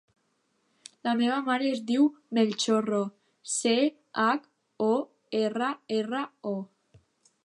La meva mare es diu Mel Chorro: ce, hac, o, erra, erra, o.